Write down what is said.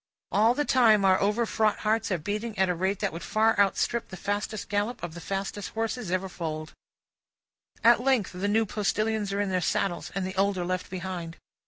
All the time, our overfraught hearts are beating at a rate that would far outstrip the fastest gallop of the fastest horses ever foaled. At length the new postilions are in their saddles, and the old are left behind.